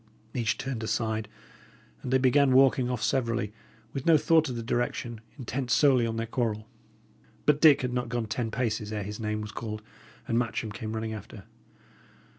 Each turned aside, and they began walking off severally, with no thought of the direction, intent solely on their quarrel. But Dick had not gone ten paces ere his name was called, and Matcham came running after.